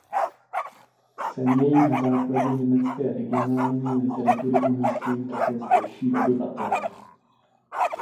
Sem jej na základě německé regionální literatury umisťují také zdejší obyvatelé.